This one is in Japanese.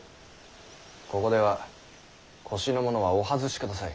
ここでは腰のものはお外しください。